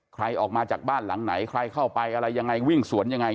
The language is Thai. ใครออกมาจากบ้านหลังไหนใครเข้าไปอะไรยังไงวิ่งสวนยังไง